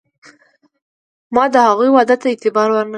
ما د هغوی وعدو ته اعتبار ور نه کړ.